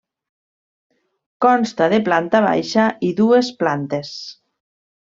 Consta de planta baixa i dues plantes.